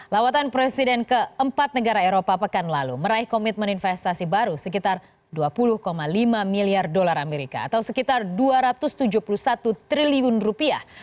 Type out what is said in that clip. lawatan presiden keempat negara eropa pekan lalu meraih komitmen investasi baru sekitar dua puluh lima miliar dolar amerika atau sekitar dua ratus tujuh puluh satu triliun rupiah